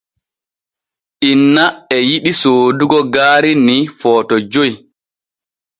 Inna e yiɗi soodugo gaari ni Footo joy.